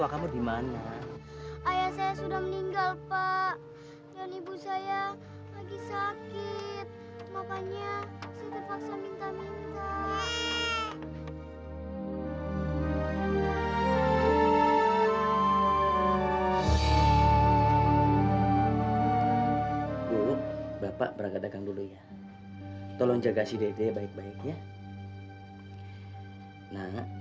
aku memang cukup tu detteita kan